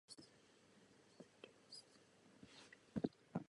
Sierra de Gata tvoří západní část Kastilského pohoří.